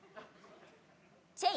チェイ？